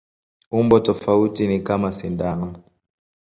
Umbo tofauti ni kama sindano.